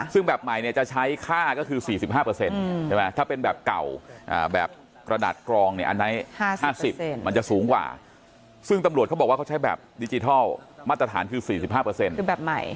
ซึ่งแบบใหม่เนี่ยจะใช้ค่าก็คือ๔๕ใช่ไหมถ้าเป็นแบบเก่าแบบกระดาษกรองเนี่ยอันไหน๕๐มันจะสูงกว่าซึ่งตำรวจเขาบอกว่าเขาใช้แบบดิจิทัลมาตรฐานคือ๔๕คือแบบใหม่